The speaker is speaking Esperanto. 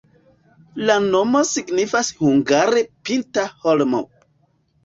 La nomo signifas hungare pinta-holmo.